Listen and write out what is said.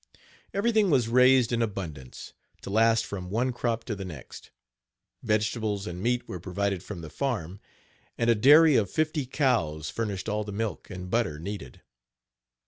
Everything was raised in abundance, to last from one crop to the next. Vegetables and meat were provided from the farm, and a dairy of fifty cows furnished all the milk and butter needed.